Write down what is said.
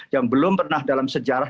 yang belum pernah dalam sejarah